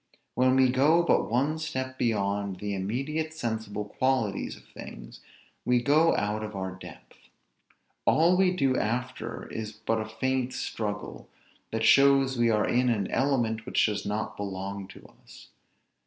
When we go but one step beyond the immediate sensible qualities of things, we go out of our depth. All we do after is but a faint struggle, that shows we are in an element which does not belong to us.